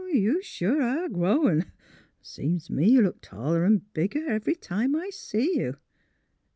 you sure are growin'; seems t' me you look taller 'n' bigger every time I see you.